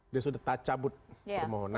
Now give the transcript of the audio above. dia sudah cabut permohonan